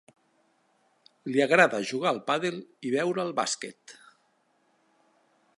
Li agrada jugar al pàdel i veure el bàsquet.